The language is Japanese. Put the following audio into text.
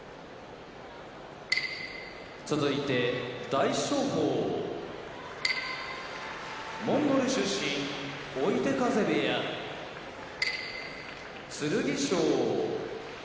大翔鵬モンゴル出身追手風部屋剣翔